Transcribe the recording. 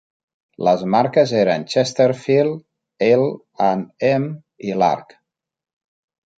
Les marques eren Chesterfield, L and M i Lark.